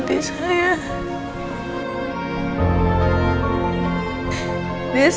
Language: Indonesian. di luar kristus